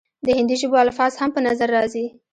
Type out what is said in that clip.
د هندي ژبو الفاظ هم پۀ نظر راځي،